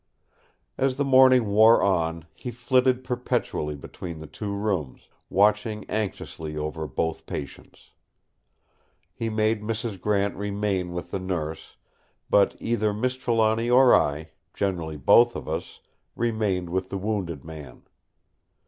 As the morning wore on, he flitted perpetually between the two rooms, watching anxiously over both patients. He made Mrs. Grant remain with the Nurse, but either Miss Trelawny or I, generally both of us, remained with the wounded man.